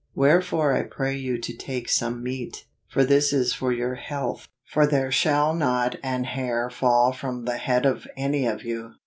" Wherefore I pray you to take some meat: for this is for your health : for there shall not an hair fall from the head of any of you."